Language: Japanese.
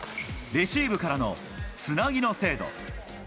レシーブからのつなぎの精度。